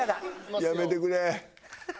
やめてくれ。